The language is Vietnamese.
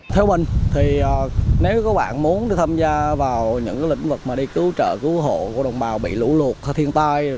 theo mình thì nếu các bạn muốn tham gia vào những lĩnh vực mà đi cứu trợ cứu hộ của đồng bào bị lũ lụt thiên tai